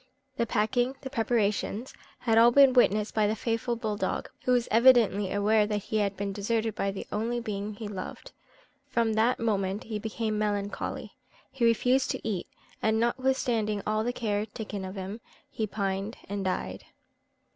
The packing the preparations had all been witnessed by the faithful bull dog, who was evidently aware that he had been deserted by the only being he loved. From that moment he became melancholy. He refused to eat, and notwithstanding all the care taken of him, he pined and died.